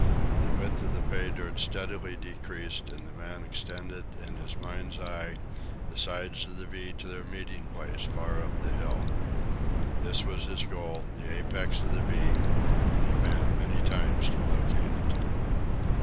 The width of the pay dirt steadily decreased, and the man extended in his mind's eye the sides of the "V" to their meeting place far up the hill. This was his goal, the apex of the "V," and he panned many times to locate it.